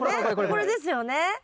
これですよね？